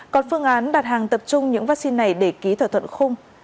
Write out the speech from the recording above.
còn phương án đặt hàng tập trung những vaccine này để ký thỏa thuận khung